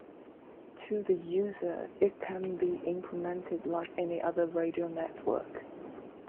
To the user it can be implemented like any other radio network.